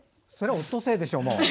オットセイでしょ、もう。